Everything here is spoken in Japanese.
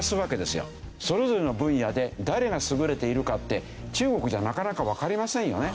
それぞれの分野で誰が優れているかって中国じゃなかなかわかりませんよね？